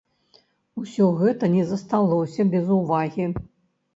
Усё гэта не засталося без увагі.